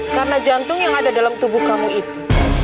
karena jantung yang ada dalam tubuh kamu itu